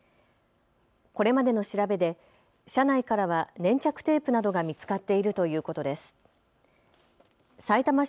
これまでの調べで車内からは粘着テープなどが見つかっているということです。